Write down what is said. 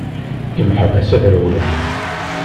Imeḥbas ad rewwlen!